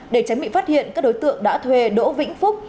để tránh bị phát hiện các đối tượng đã thuê đỗ vĩnh phúc